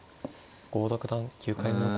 郷田九段９回目の。